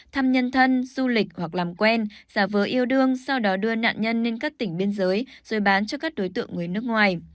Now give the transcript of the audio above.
thăm nhân thân du lịch hoặc làm quen giả vờ yêu đương sau đó đưa nạn nhân lên các tỉnh biên giới rồi bán cho các đối tượng người nước ngoài